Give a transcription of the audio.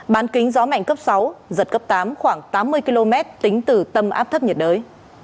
bán kính gió mạnh cấp sáu giật cấp tám khoảng tám mươi km tính từ tâm áp thấp nhiệt đới